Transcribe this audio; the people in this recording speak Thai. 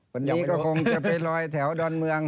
วันนี้ก็คงจะไปลอยแถวดอนเมือง